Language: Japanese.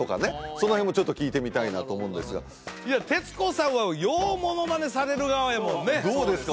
その辺もちょっと聞いてみたいなと思うんですがいや徹子さんはようモノマネされる側やもんねどうですか？